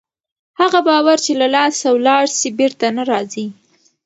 هغه باور چې له لاسه ولاړ سي بېرته نه راځي.